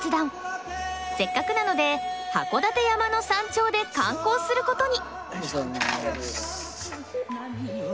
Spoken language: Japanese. せっかくなので函館山の山頂で観光することに。